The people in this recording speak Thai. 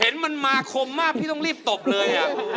เห็นมันมาคมมากพี่ต้องรีบตบเลย